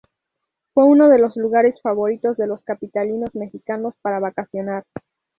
Fue uno de los lugares favoritos de los capitalinos mexicanos para vacacionar.